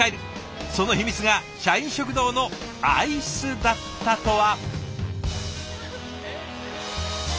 その秘密が社員食堂のアイスだったとは。